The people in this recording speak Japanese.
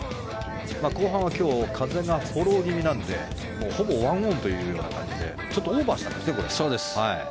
後半は今日、風がフォロー気味なのでほぼ１オンという形でちょっとオーバーしたんですね。